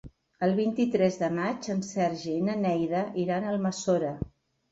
El vint-i-tres de maig en Sergi i na Neida iran a Almassora.